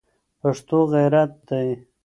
پښتو غیرت دی